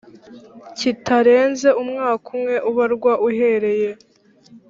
kitarenze umwaka umwe ubarwa uhereye